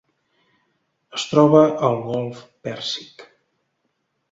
Es troba al golf Pèrsic: